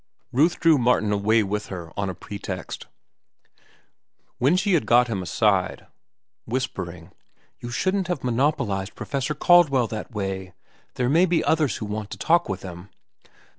Ruth drew Martin away with her on a pretext; when she had got him aside, whispering: "You shouldn't have monopolized Professor Caldwell that way. There may be others who want to talk with him."